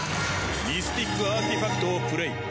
ミスティックアーティファクトをプレイ。